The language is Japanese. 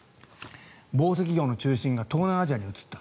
紡績業の中心が東南アジアに移った。